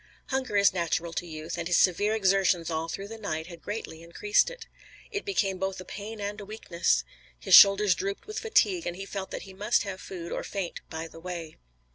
Hunger is natural to youth, and his severe exertions all through the night had greatly increased it. It became both a pain and a weakness. His shoulders drooped with fatigue, and he felt that he must have food or faint by the way.